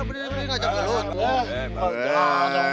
ini ngajaknya mbah